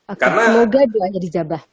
oke semoga doanya dijabah